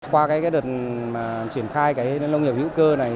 qua đợt chuyển khai nền nông nghiệp hữu cơ này